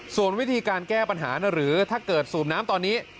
ส่วนวิธีการแก้ปัญหาหรือถ้าเกิดสูบน้ำตอนนี้